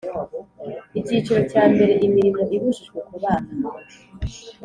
Icyiciro cya mbere Imirimo ibujijwe ku bana